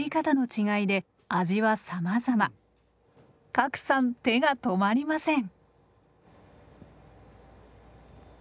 加来さん手が止まりません。